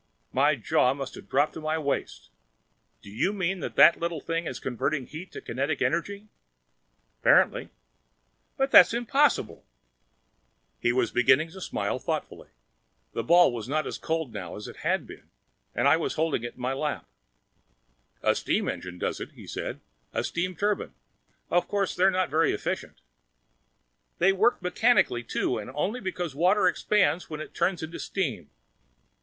My jaw must have dropped to my waist. "Do you mean that that little thing is converting heat to kinetic energy?" "Apparently." "But that's impossible!" He was beginning to smile thoughtfully. The ball was not as cold now as it had been and I was holding it in my lap. "A steam engine does it," he said, "and a steam turbine. Of course, they're not very efficient." "They work mechanically, too, and only because water expands when it turns to steam."